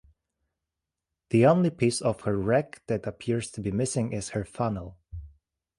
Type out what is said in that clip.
The only piece of her wreck that appears to be missing is her funnel.